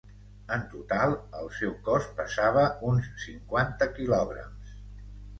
En total, el seu cos pesava uns cinquanta quilograms.